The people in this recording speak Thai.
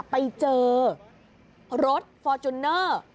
ไปเจอรถฟอร์จูเนอร์